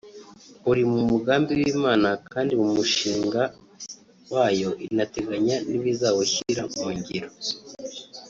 uri mu mugambi w’Imana kandi mu mushinga wayo inateganya n’ibizawushyira mu ngiro